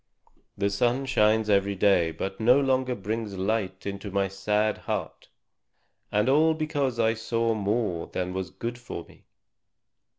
The sun shines every day, but no longer brings light to my sad heart. And all because I saw more than was good for me!"